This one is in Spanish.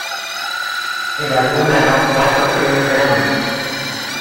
El álbum ganó cuatro premios Grammy.